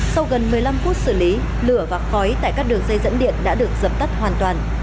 sau gần một mươi năm phút xử lý lửa và khói tại các đường dây dẫn điện đã được dập tắt hoàn toàn